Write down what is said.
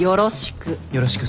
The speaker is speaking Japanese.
よろしく。